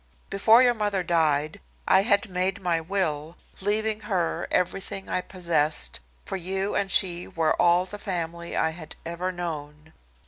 Before your mother died, I had made my will, leaving her everything I possessed, for you and she were all the family I had ever known.